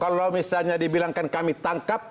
kalau misalnya dibilangkan kami tangkap